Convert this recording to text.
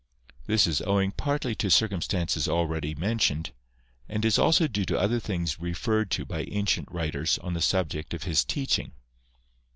This is owing partly to circumstances already mentioned, and is also due to other things referred to by ancient writers on the subject of his teaching.